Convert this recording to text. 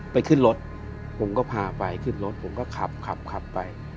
ขึ้นรถผมก็พาไปขึ้นรถผมก็ขับขับไป